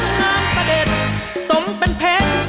สวัสดีครับ